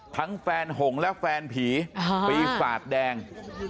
แฟนหงและแฟนผีปีศาจแดง